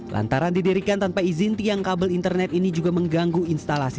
lantaran didirikan tanpa izin tiang kabel internet ini juga mengganggu instalasi